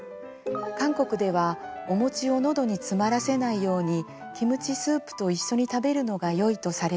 韓国ではおもちを喉に詰まらせないようにキムチスープと一緒に食べるのがよいとされています。